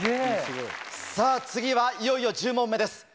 さぁ次はいよいよ１０問目です。